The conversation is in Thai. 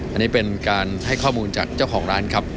อันนี้เป็นการให้ข้อมูลจากเจ้าของร้านครับ